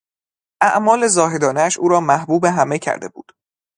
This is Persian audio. اعمال زاهدانهاش او را محبوب همه کرده بود.